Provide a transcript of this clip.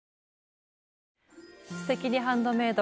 「すてきにハンドメイド」